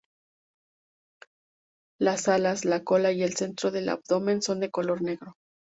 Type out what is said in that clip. Las alas, la cola y el centro del abdomen son de color negro.